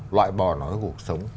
loại bỏ nó ra cuộc sống